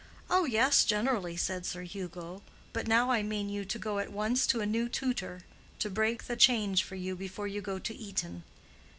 "Oh yes, generally," said Sir Hugo. "But now I mean you to go at once to a new tutor, to break the change for you before you go to Eton."